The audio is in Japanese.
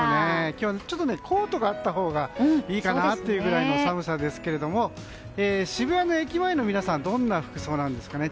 今日ちょっとコートがあったほうがいいかなというぐらいの寒さですけど渋谷の駅前の皆さんはどんな服装なんですかね。